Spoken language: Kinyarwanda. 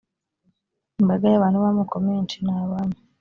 imbaga y abantu b amoko menshi n abami